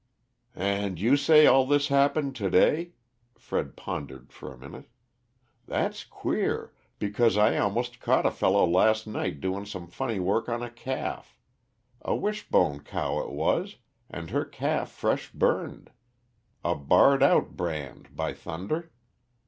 "And you say all this happened to day?" Fred pondered for a minute. "That's queer, because I almost caught a fellow last night doing some funny work on a calf. A Wishbone cow it was, and her calf fresh burned a barred out brand, by thunder!